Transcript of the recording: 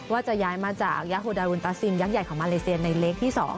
ว่าจะย้ายมาจากยาโฮดารุนตาซินยักษ์ใหญ่ของมาเลเซียในเล็กที่๒